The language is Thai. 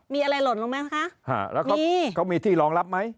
มีอะไรหล่นลงไหมคะแล้วเขาเขามีที่รองรับไหม